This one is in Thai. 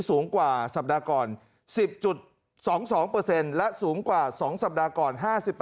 สูงกว่าสัปดาห์ก่อน๑๐๒๒และสูงกว่า๒สัปดาห์ก่อน๕๘